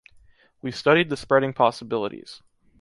We’ve studied spreading possibilities.